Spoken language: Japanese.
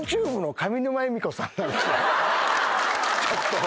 ちょっと。